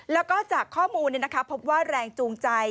แล้วก็จากข้อมูลเนี่ยนะคะพบว่าแรงจูงใจ